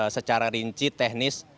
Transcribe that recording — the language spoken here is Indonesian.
secara rinci teknis